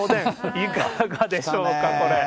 いかがでしょうか、これ。